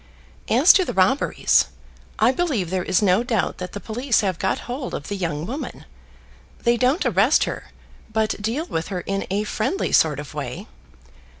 As to the robberies, I believe there is no doubt that the police have got hold of the young woman. They don't arrest her, but deal with her in a friendly sort of way.